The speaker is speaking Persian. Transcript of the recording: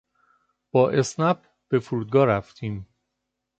با اسنپ به فرودگاه رفتیم.